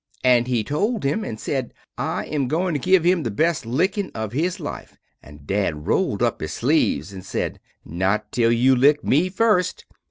And he told him and sed, I am going to give him the best lickin of his life, and dad rolld up his sleeves and sed, Not till you lick me first!